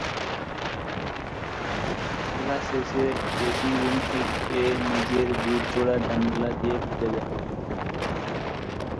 খেলা শেষে dressing room থেকে নিজের বুট জোড়া জানালা দিয়ে ফেলে দেন।